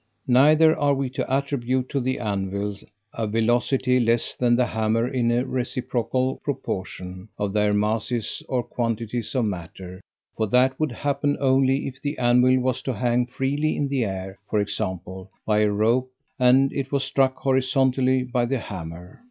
Neither are we to attribute to the anvil a velocity less than the hammer in a reciprocal proportion of their masses or quantities of matter; for that would happen only if the anvil was to hang freely in the air (for example) by a rope, and it was struck horizontally by the hammer.